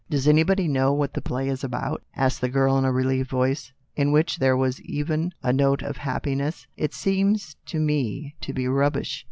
"Does anybody know what the play is about ?" asked the girl in a relieved voice, in A COMEDY IN REAL LIFE. 207 ) which there was even a note of happiness. " It seems to me to be rubbish."